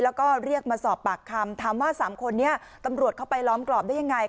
แล้วก็เรียกมาสอบปากคำถามว่าสามคนนี้ตำรวจเข้าไปล้อมกรอบได้ยังไง